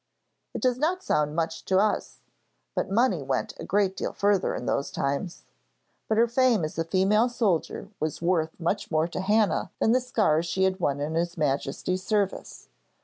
It does not sound much to us, but money went a great deal further in those times. But her fame as a female soldier was worth much more to Hannah than the scars she had won in His Majesty's service.